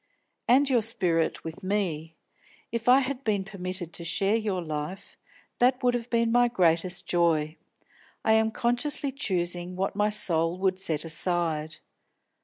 "And your spirit with me. If I had been permitted to share your life, that would have been my greatest joy. I am consciously choosing what my soul would set aside.